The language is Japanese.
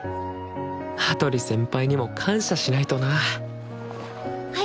羽鳥先輩にも感謝しないとな早く部活行こ！